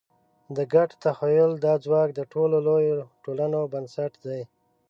د ګډ تخیل دا ځواک د ټولو لویو ټولنو بنسټ دی.